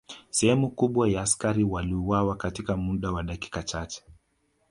Sehemu kubwa ya askari waliuawa katika muda wa dakika chache